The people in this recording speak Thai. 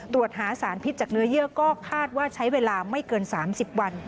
ตรวจหาสารพิษจากเนื้อเยื่อก็คาดว่าใช้เวลาไม่เกิน๓๐วัน